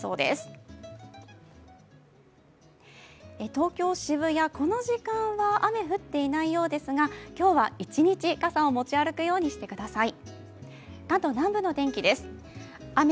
東京・渋谷、この時間は雨降っていないようですが今日は一日、傘を持ち歩くようにしてください。